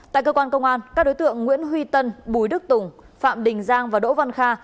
tại cơ quan công an các đối tượng nguyễn huy tân bùi đức tùng phạm đình giang và đỗ văn kha